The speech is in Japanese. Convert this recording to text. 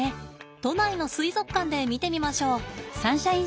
都内の水族館で見てみましょう。